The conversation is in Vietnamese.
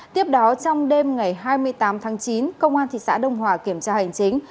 tiếp đó trong đêm ngày hai mươi tám tháng chín công an thị xã đông hòa kiểm tra hành chính